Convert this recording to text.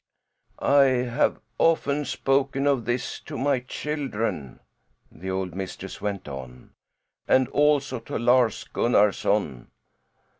"I have often spoken of this to my children," the old mistress went on, "and also to Lars Gunnarson.